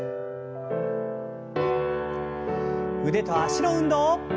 腕と脚の運動。